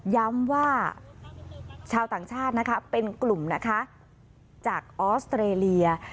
ย้ำว่าชาวต่างชาตินะคะเป็นกลุ่มนะคะจากออสเตรเลีย